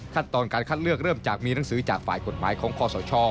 ตอนการคัดเลือกเริ่มจากมีหนังสือจากฝ่ายกฎหมายของคอสช